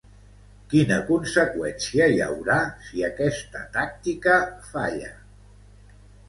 Quina conseqüència hi haurà, si aquesta tàctica falla?